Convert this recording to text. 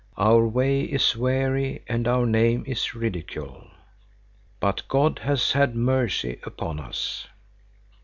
Our way is weary and our name is ridicule. "But God has had mercy upon us.